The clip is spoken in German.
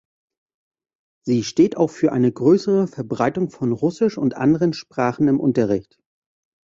Sie steht auch für eine größere Verbreitung von Russisch und anderen Sprachen im Unterricht.